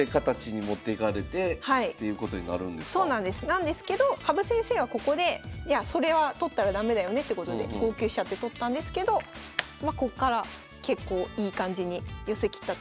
なんですけど羽生先生はここでいやそれは取ったら駄目だよねってことで５九飛車って取ったんですけどまこっから結構いい感じに寄せ切ったということで。